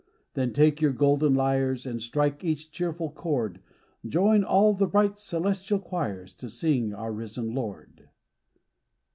Then take your golden lyres, And strike each cheerful chord ; Join all the bright celestial choirs, To sing our risen Lord.